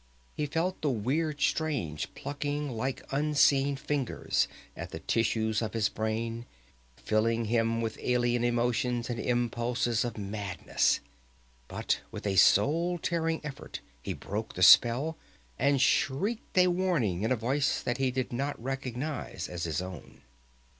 He felt the weird strains plucking like unseen fingers at the tissues of his brain, filling him with alien emotions and impulses of madness. But with a soul tearing effort he broke the spell, and shrieked a warning in a voice he did not recognize as his own.